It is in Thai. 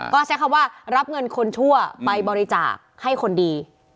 ก็ใช้คำว่ารับเงินคนชั่วไปบริจาคให้คนดี